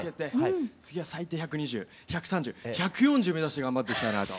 次は最低１２０１３０１４０目指して頑張っていきたいなと。